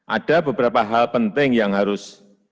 ada beberapa hal penting yang harus